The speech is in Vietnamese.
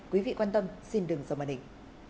quý vị quan tâm xin đừng dồn màn hình